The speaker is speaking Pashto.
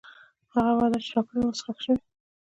هغه وعده چې راکړې وه، اوس ښخ شوې.